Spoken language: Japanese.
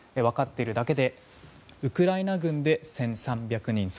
分かっているだけでウクライナ軍で１３００人。